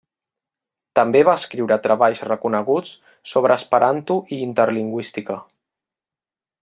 També va escriure treballs reconeguts sobre esperanto i interlingüística.